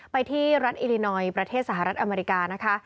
ไปที่รัฐอิลินอยประเทศสหรัฐอเมริกานะคะ